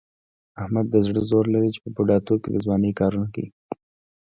احمد د زړه زور لري، چې په بوډا توب کې د ځوانۍ کارونه کوي.